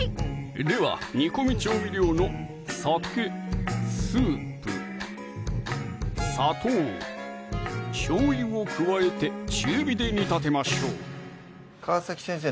では煮込み調味料の酒・スープ・砂糖・しょうゆを加えて中火で煮立てましょう川先生